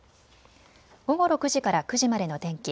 午後６時から９時までの天気。